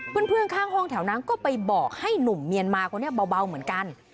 เพื่อนข้างห้องแถวนั้นก็ไปบอกให้หนุ่มเมียนมาคนนี้เบาเหมือนกัน